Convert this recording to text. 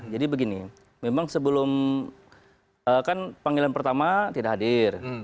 jadi begini memang sebelum kan panggilan pertama tidak hadir